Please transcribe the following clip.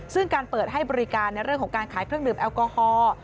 ซึ่งการเปิดให้บริการในเรื่องของการขายเครื่องดื่มแอลกอฮอล์